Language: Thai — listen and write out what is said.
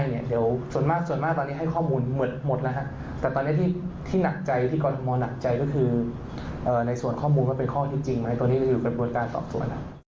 ในส่วนข้อมูลก็เป็นข้อที่จริงไหมตัวนี้ก็คือกระบวนการสอบสวน